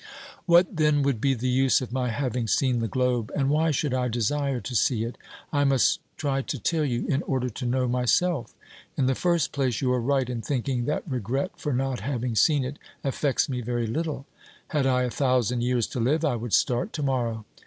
What then would be the use of my having seen the globe, and why should I desire to see it ? I must try to tell you in order to know myself. In the first place, you are right in thinking that regret for not having seen it affects me very little. Had I a thousand years to live I would start to morrow.